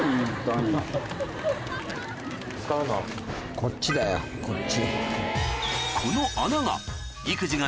こっちだよこっち。